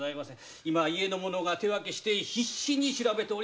今家の者が手分けして必死に調べております。